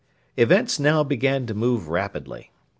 Events now began to move rapidly.